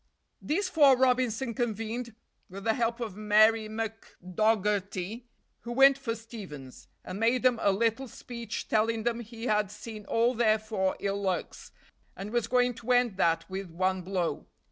These four Robinson convened, with the help of Mary McDogherty, who went for Stevens; and made them a little speech, telling them he had seen all their four ill lucks, and was going to end that with one blow.